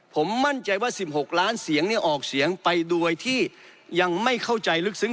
ผมมั่นใจว่า๑๖ล้านเสียงเนี่ยออกเสียงไปโดยที่ยังไม่เข้าใจลึกซึ้ง